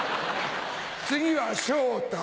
次は昇太。